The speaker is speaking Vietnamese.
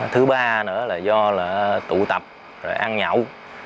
thứ ba nữa là do là tụ tập ăn nhậu